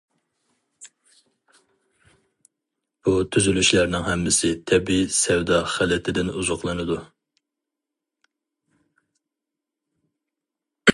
بۇ تۈزۈلۈشلەرنىڭ ھەممىسى تەبىئىي سەۋدا خىلىتىدىن ئوزۇقلىنىدۇ.